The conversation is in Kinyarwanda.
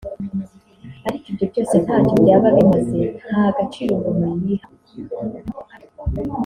ariko ibyo byose ntacyo byaba bimaze ntagaciro umuntu yiha